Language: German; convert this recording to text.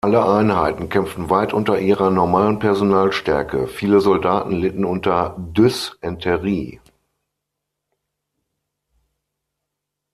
Alle Einheiten kämpften weit unter ihrer normalen Personalstärke; viele Soldaten litten unter Dysenterie.